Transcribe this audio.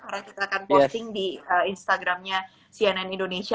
karena kita akan posting di instagramnya cnn indonesia